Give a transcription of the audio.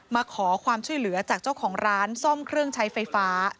มาขอความช่วยเหลือจากเจ้าของร้านซ่อมเครื่องใช้ไฟฟ้า